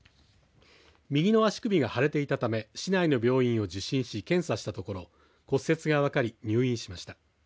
右の足首が腫れていたため市内の病院を受診し検査したところ骨折が分かり入院しました。